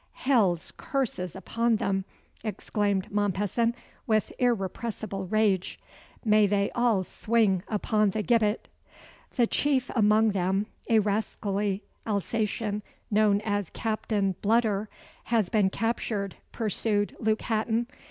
"Hell's curses upon them!" exclaimed Mompesson, with irrepressible rage. "May they all swing upon the gibbet!" "The chief among them a rascally Alsatian, known as Captain Bludder has been captured," pursued Luke Hatton.